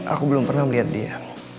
aku belum pernah melihat dia